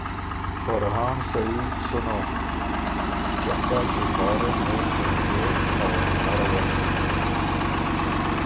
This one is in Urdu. فرحان سعید سنو چندا کے بارے میں پرجوش اور نروس